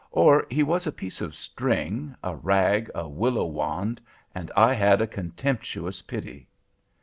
Or he was a piece of string, a rag, a willow wand, and I had a contemptuous pity.